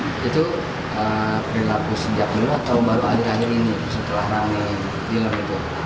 itu perilaku sejak dulu atau baru akhir akhir ini setelah rame dilem itu